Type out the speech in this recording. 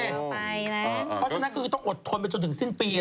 เพราะฉะนั้นก็คือต้องอดทนไปจนถึงสิ้นปี